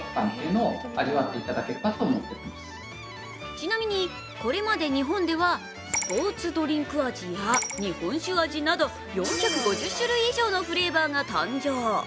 ちなみにこれまで日本ではスポーツドリンク味や日本酒味など４５０種類以上のフレーバーが誕生。